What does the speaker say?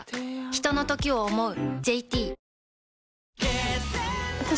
ひとのときを、想う。